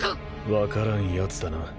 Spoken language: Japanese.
分からんやつだな。